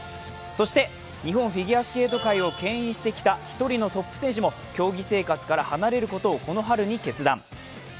そして日本フィギュアスケート界をけん引してきた一人のトップ選手も競技生活から離れることをこの春に決断。